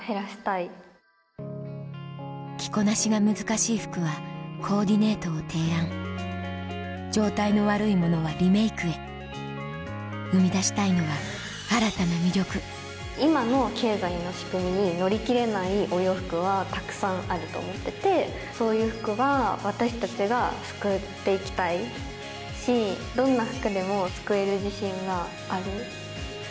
着こなしが難しい服はコーディネートを提案状態の悪いものはリメイクへ生み出したいのは新たな魅力今の経済の仕組みに乗り切れないお洋服はたくさんあると思っててそういう服は私たちが救って行きたいしどんな服でも救える自信がある。